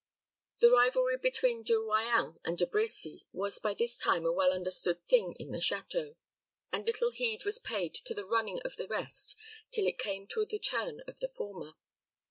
The rivalry between De Royans and De Brecy was by this time a well understood thing in the château, and little heed was paid to the running of the rest till it came to the turn of the former.